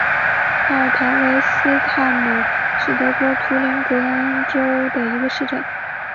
卡尔滕韦斯泰姆是德国图林根州的一个市镇。